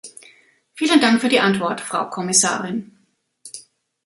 Vielen Dank für die Antwort, Frau Kommissarin.